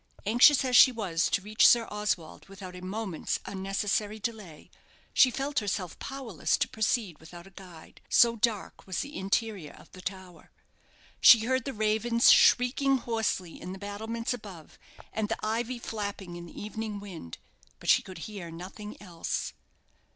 Anxious as she was to reach Sir Oswald without a moment's unnecessary delay, she felt herself powerless to proceed without a guide so dark was the interior of the tower. She heard the ravens shrieking hoarsely in the battlements above, and the ivy flapping in the evening wind; but she could hear nothing else.